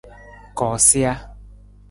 Koosija.